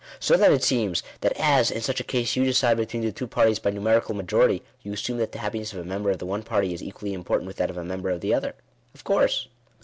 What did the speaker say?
" So then it seems, that as, in such a case, you decide be tween the two parties by numerical majority, you assume that the happiness of a member of the one party, is equally im portant with that of a member of the other." " Of course."